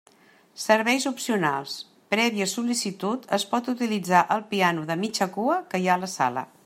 Serveis opcionals: prèvia sol·licitud, es pot utilitzar el piano de mitja cua que hi ha a la sala.